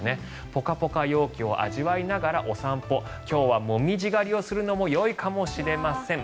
ポカポカ陽気を味わいながらお散歩今日はモミジ狩りをするのもよいかもしれません。